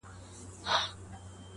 په سپوږمۍ كي زمـــا ژوندون دى.